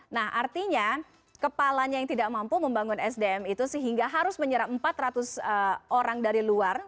nah artinya kepalanya yang tidak mampu membangun sdm itu sehingga harus menyerap empat ratus orang dari luar